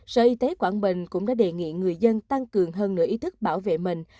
sở y tế quảng bình cũng đã đề nghị người dân tăng cường hơn nửa ý thức bảo vệ mình